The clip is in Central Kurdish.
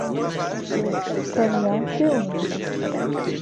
تەنیا سێوم دیت.